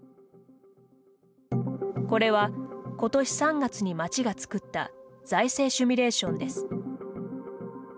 これは、ことし３月に町が作った財政シミュレーションです。